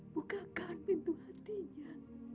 bukakan pintu hatinya